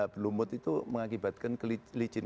berlumut itu mengakibatkan kelicin